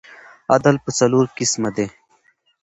عدل پر څلور قسمه دئ.